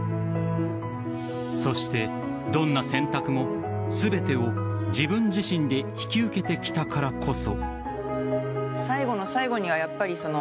そして、どんな選択も全てを自分自身で引き受けてきたからこそ。